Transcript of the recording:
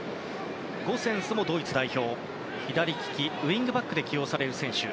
ゴセンスもドイツ代表の左利きウィングバックで起用される選手。